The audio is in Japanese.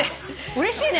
うれしいね！